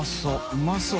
うまそう。